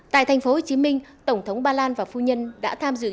tại tp hcm tổng thống ba lan và phu nhân đã tham dự